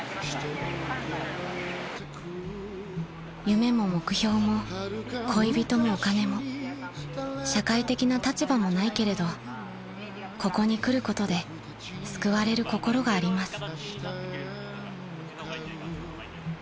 ［夢も目標も恋人もお金も社会的な立場もないけれどここに来ることで救われる心があります］